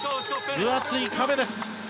分厚い壁です。